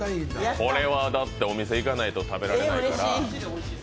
これはお店行かないと食べられないですから。